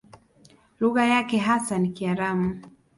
Lugha yake hasa ni Kiaramu.